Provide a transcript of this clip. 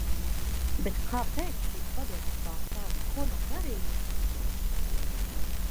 Bet kāpēc šīs padomes pārstāvji neko nav darījuši?